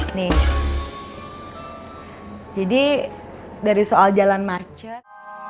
ini jadi dari soal jalan macet